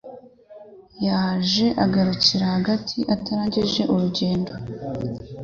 Yaje agarukira hagati atarangije urugendo